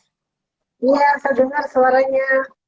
iya saya dengar suaranya